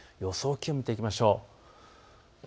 気温を見ていきましょう。